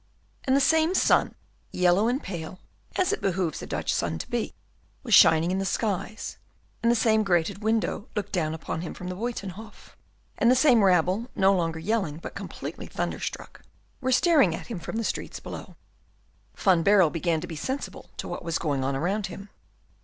And the same sun, yellow and pale, as it behooves a Dutch sun to be, was shining in the skies; and the same grated window looked down upon him from the Buytenhof; and the same rabble, no longer yelling, but completely thunderstruck, were staring at him from the streets below. Van Baerle began to be sensible to what was going on around him.